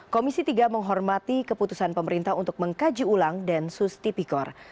komisi tiga menghormati keputusan pemerintah untuk mengkaji ulang densus tipikor